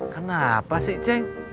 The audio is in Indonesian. kenapa sih ceng